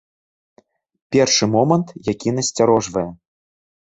Першы момант, які насцярожвае.